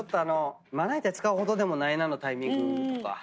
まな板使うほどでもないなのタイミングとか。